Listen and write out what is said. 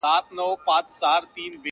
څلوريځه~